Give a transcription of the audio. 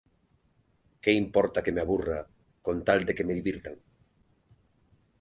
Que importa que me aburra, con tal de que me divirtan.